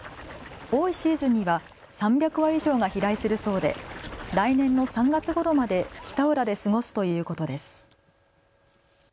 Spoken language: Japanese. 多いシーズンには３００羽以上が飛来するそうで来年の３月ごろまで北浦で過ごすということです。